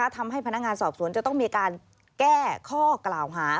ทำให้พนักงานสอบสวนจะต้องมีการแก้ข้อกล่าวหา